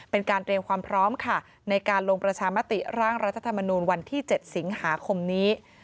เป็นการเตรียมความพร้อมค่ะในการลงประชามติร่างรัฐธรรมนูลวันที่๗สิงหาคมนี้